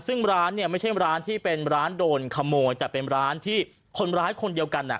ซึ่งร้านเนี่ยไม่ใช่ร้านที่เป็นร้านโดนขโมยแต่เป็นร้านที่คนร้ายคนเดียวกัน